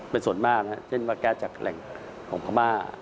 เป็นส่วนมากเช่นมาแก๊สจากแหล่งของพม่า